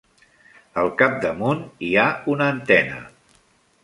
Al capdamunt hi ha una antena.